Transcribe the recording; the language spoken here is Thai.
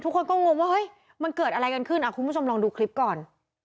ทุกคนก็งงว่าเฮ้ยมันเกิดอะไรกันขึ้นคุณผู้ชมลองดูคลิปก่อน